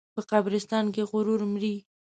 په قبرستان کې غرور مري.